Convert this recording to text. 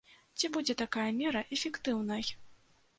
Ці будзе такая мера эфектыўнай?